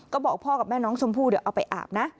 ก็บอกพ่อกับแม่น้องชมพู่เดี๋ยวเอาไปอาบนะ